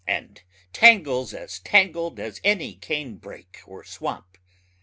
and tangles as tangled as any canebrake or swamp